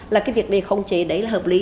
là cái việc để khống chế đấy là hợp lý